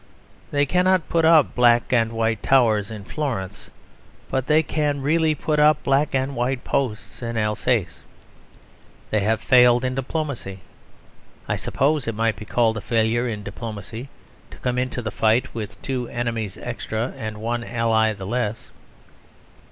They cannot put up black and white towers in Florence; but they can really put up black and white posts in Alsace. They have failed in diplomacy. I suppose it might be called a failure in diplomacy to come into the fight with two enemies extra and one ally the less.